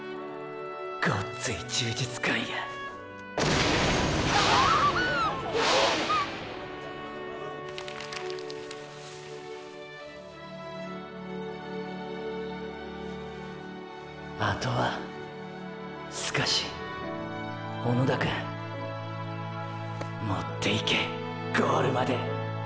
ごっつい充実感やあとはーースカシ小野田くん持っていけゴールまで。